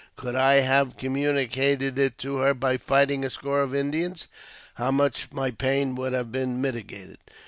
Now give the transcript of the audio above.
Could I have communicated it to her by fighting a score of Indians, how much my pain would have been mitigated